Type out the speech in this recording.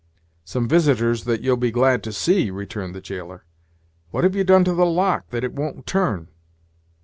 "Some visitors that you'll be glad to see," returned the jailer. "What have you done to the lock, that it won't turn."